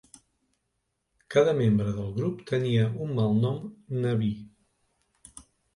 Cada membre del grup tenia un malnom nabí.